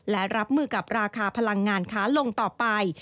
และรับมือกับราคาพลังงานค้าลงต่อไป